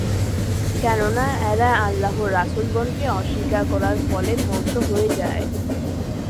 কেননা এরা আল্লাহর রাসূলগণকে অস্বীকার করার ফলে ধ্বংস হয়ে যায়।